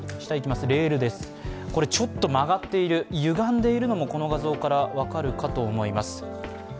レール、ちょっと曲がっている、ゆがんでいるのもこの画像から分かると思います。